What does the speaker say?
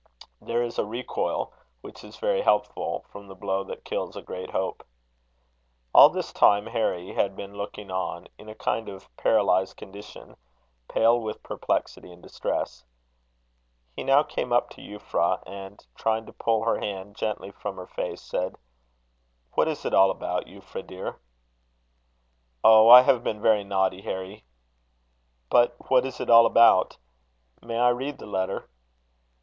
There is a recoil which is very helpful, from the blow that kills a great hope. All this time Harry had been looking on, in a kind of paralysed condition, pale with perplexity and distress. He now came up to Euphra, and, trying to pull her hand gently from her face, said: "What is it all about, Euphra, dear?" "Oh! I have been very naughty, Harry." "But what is it all about? May I read the letter?"